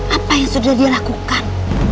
apa yang sudah dia lakukan